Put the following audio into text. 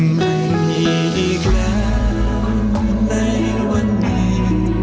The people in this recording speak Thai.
ไม่มีอีกแล้วในวันนี้